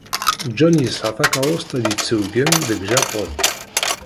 John yesɛa takeṛṛust ay d-yettewgen deg Japun.